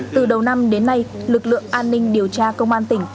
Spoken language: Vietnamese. từ đầu năm đến nay lực lượng an ninh điều tra công an tỉnh